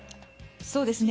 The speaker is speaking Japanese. そうですね。